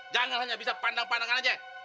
jangan hanya bisa pandang pandang aja